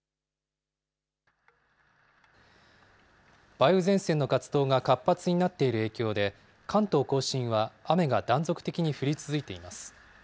梅雨前線の活動が活発になっている影響で、関東甲信は雨が断続的に降り続いています。